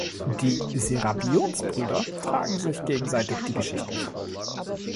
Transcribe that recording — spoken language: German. Die Serapionsbrüder tragen sich gegenseitig die Geschichten vor.